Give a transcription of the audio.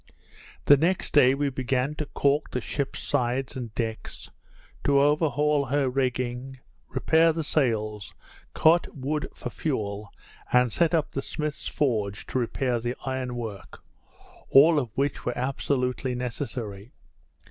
The next day we began to caulk the ship's sides and decks, to overhaul her rigging, repair the sails, cut wood for fuel, and set up the smith's forge to repair the iron work; all of which were absolutely necessary.